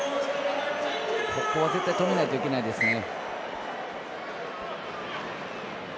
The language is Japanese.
ここは絶対、止めないといけないですね。